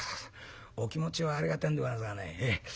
お気持ちはありがてえんでござんすがね